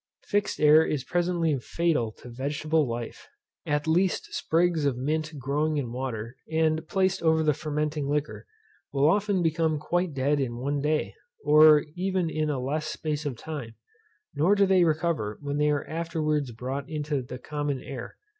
Fixed air is presently fatal to vegetable life. At least sprigs of mint growing in water, and placed over the fermenting liquor, will often become quite dead in one day, or even in a less space of time; nor do they recover when they are afterwards brought into the common air.